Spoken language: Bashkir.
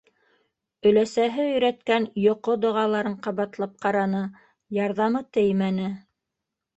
Өләсәһе өйрәткән йоҡо доғаларын ҡабатлап ҡараны - ярҙамы теймәне.